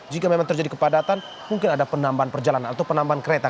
jika memang terjadi kepadatan mungkin ada penambahan perjalanan atau penambahan kereta